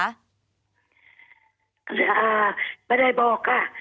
อ่าไม่ได้บอกค่ะ